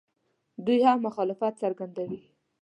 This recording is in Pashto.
دوی هم مخالفت څرګندوي.